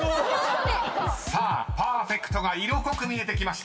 ［さあパーフェクトが色濃く見えてきました］